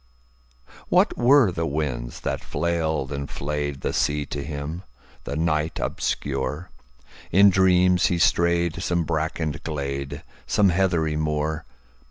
What were the winds that flailed and flayedThe sea to him, the night obscure? In dreams he strayed some brackened glade, Some heathery moor.